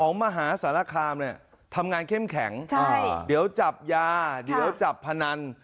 มหาสารคามเนี่ยทำงานเข้มแข็งเดี๋ยวจับยาเดี๋ยวจับพนัน